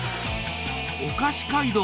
お菓子街道